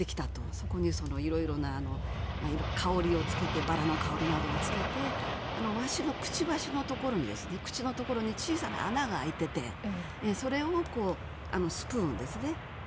そこにいろいろな香りをつけてバラの香りなどをつけてワシのくちばしのところに小さな穴が開いていてそれを、スプーンですね。